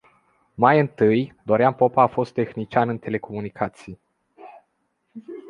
Mai întâi, Dorian Popa a fost tehnician în telecomunicații.